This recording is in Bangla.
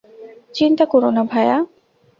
চিন্তা করো না, ভায়া।